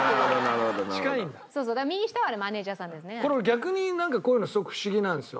逆になんかこういうのすごくフシギなんですよ。